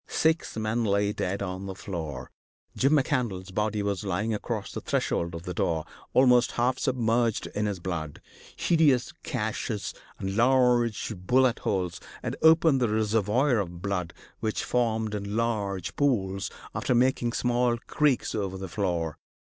Six men lay dead on the floor. Jim McCandlas' body was lying across the threshold of the door, almost half submerged in his blood. Hideous gashes and large bullet holes had opened the reservoir of blood which formed in large pools, after making small creeks over the floor.